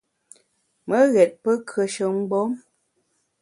Me ghét pe kùeshe mgbom.